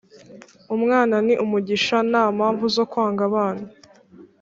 Umwana ni umugisha ntampamvu zo kwanga abana